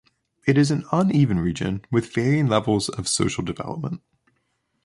It is an uneven region with varying levels of social development.